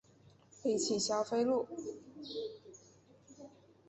北起霞飞路。